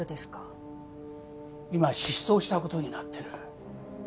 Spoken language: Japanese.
今失踪した事になってる。